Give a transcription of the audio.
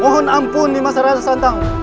mohon ampun di masyarakat santang